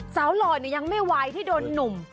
สาวหล่อนเนี่ยยังไม่ไหวที่โดนหนุ่ม